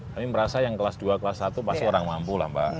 kami merasa yang kelas dua kelas satu pasti orang mampu lah mbak